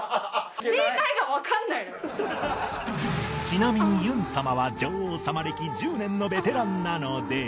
ちなみにユン様は女王様歴１０年のベテランなので